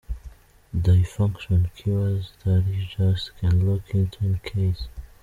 dysfunction cures that you just can look into in case .